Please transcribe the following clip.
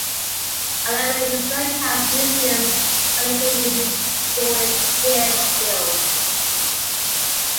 Eleven historic house museums are located in Historic Deerfield.